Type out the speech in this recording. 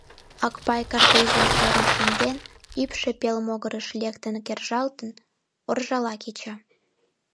Акпай картузым шӧрын шынден, ӱпшӧ пел могырыш лектын кержалтын, оржала кеча.